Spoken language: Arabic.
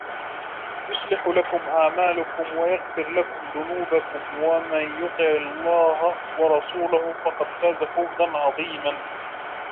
يصلح لكم أعمالكم ويغفر لكم ذنوبكم ومن يطع الله ورسوله فقد فاز فوزا عظيما